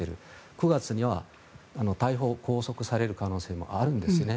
９月には逮捕・拘束される可能性もあるんですね。